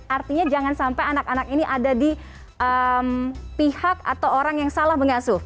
artinya jangan sampai anak anak ini ada di pihak atau orang yang salah mengasuh